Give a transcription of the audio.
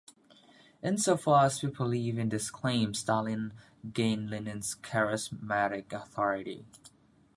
Insofar as people believed in this claim, Stalin gained Lenin's charismatic authority.